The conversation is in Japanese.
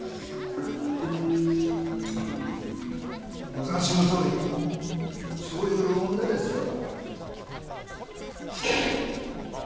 お察しのとおりそういう女ですよ。